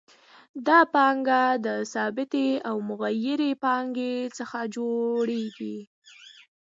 دا پانګه له ثابتې او متغیرې پانګې څخه جوړېږي